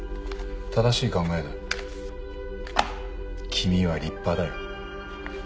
君は立派だよ。